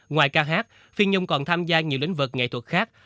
ngoài ca hát phi nhung còn tham gia nhiều lĩnh vực nghệ thuật khác